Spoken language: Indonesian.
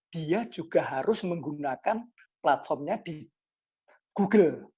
dia juga harus menggunakan platformnya di google